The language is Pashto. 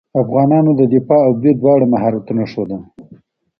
افغانانو د دفاع او برید دواړه مهارتونه ښودل.